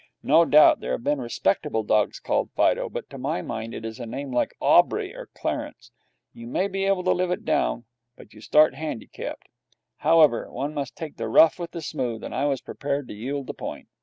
No doubt there have been respectable dogs called Fido, but to my mind it is a name like Aubrey or Clarence. You may be able to live it down, but you start handicapped. However, one must take the rough with the smooth, and I was prepared to yield the point.